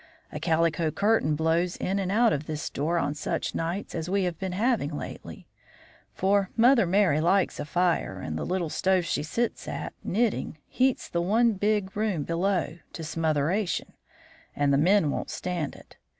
A calico curtain blows in and out of this door on such nights as we have been having lately; for Mother Merry likes a fire, and the little stove she sits at, netting, heats the one big room below to smotheration, and the men won't stand it.